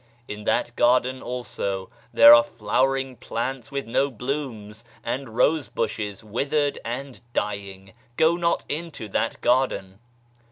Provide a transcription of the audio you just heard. In that garden, also, there are flowering plants with no blooms, and rose bushes withered and dying Go not into that garden